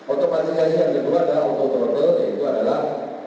otomatisasi yang diperluan adalah autotrottle yaitu adalah